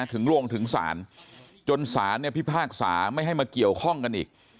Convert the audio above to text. ถึงโรงถึงศาลจนศาลเนี่ยพิพากษาไม่ให้มาเกี่ยวข้องกันอีก